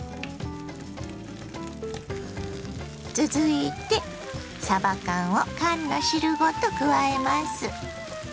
続いてさば缶を缶の汁ごと加えます。